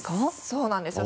そうなんですよ。